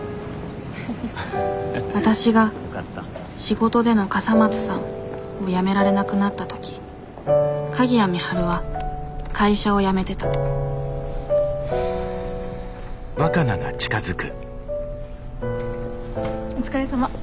わたしが「仕事での笠松さん」をやめられなくなった時鍵谷美晴は会社を辞めてたお疲れさま。